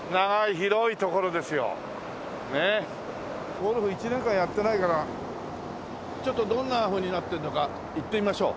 ゴルフ１年間やってないからちょっとどんなふうになってるのか行ってみましょう。